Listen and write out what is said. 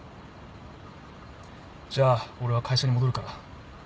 じゃあ俺は会社に戻るから。